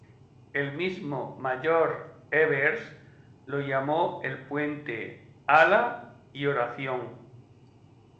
El mismo Mayor Evers lo llamó el puente "Ala y oración".